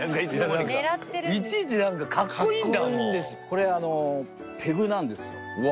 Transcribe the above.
これペグなんですよ。